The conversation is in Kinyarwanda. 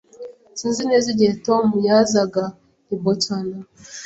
Sinzi neza igihe Tom yazaga i Boston.